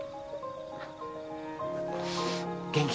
元気